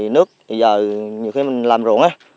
nước bây giờ nhiều khi mình làm ruộng á